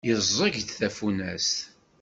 Yeẓẓeg-d tafunast.